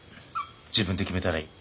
自分で決めたらいい。